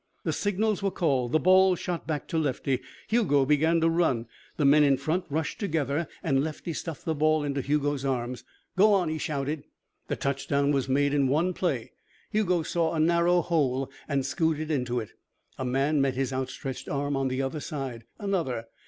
The signals were called, the ball shot back to Lefty, Hugo began to run, the men in front rushed together, and Lefty stuffed the ball into Hugo's arms. "Go on," he shouted. The touchdown was made in one play. Hugo saw a narrow hole and scooted into it. A man met his outstretched arm on the other side. Another.